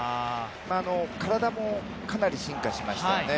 体もかなり進化しましたよね。